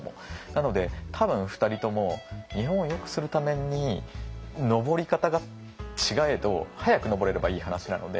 なので多分２人とも日本をよくするために登り方が違えど早く登れればいい話なので。